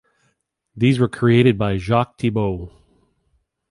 These were created by Jacques Thibault.